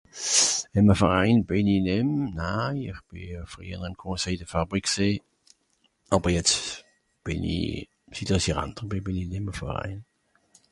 ìm e Verain bìn'i nìmm naan ìch bì friehjer ìm conseil de fabrique gsì àber jetz bìn'i zitt àss i Rantner bì bìn'i nìmm ìm e Verain